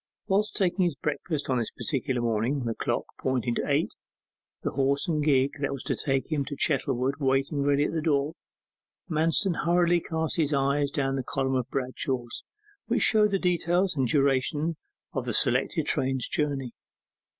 Whilst taking his breakfast on this particular morning, the clock pointing to eight, the horse and gig that was to take him to Chettlewood waiting ready at the door, Manston hurriedly cast his eyes down the column of Bradshaw which showed the details and duration of the selected train's journey.